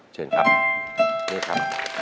เชิญครับนี่ครับ